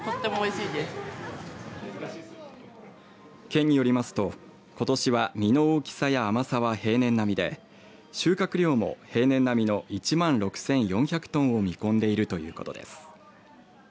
県によりますと、ことしは実の大きさや甘さは平年並みで収穫量も平年並みの１万６４００トンを見込んでいるということです。